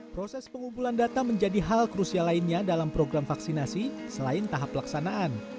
proses pengumpulan data menjadi hal krusial lainnya dalam program vaksinasi selain tahap pelaksanaan